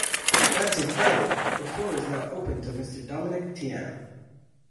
That’s incredible! The floor is now open to Mr. Dominique Tian.